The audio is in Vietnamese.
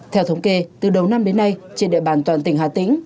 theo thống kê từ đầu năm đến nay trên địa bàn toàn tỉnh hà tĩnh